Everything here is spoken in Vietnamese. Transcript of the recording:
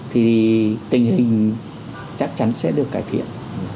thì tình hình chắc chắn sẽ được cải thiện